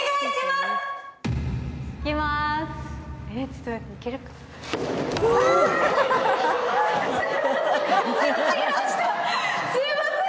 すみません！